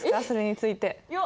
それについて。